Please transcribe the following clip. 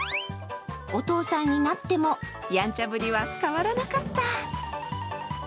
お父さんになっても、やんちゃぶりは変わらなかった。